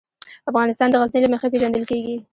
افغانستان د غزني له مخې پېژندل کېږي.